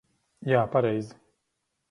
Jā, pareizi.